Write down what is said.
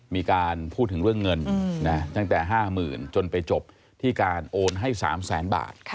มีการพูดถึงเรื่องเงินจนแต่ห้าหมื่นจนไปจบที่การโอนให้สามแสนบาท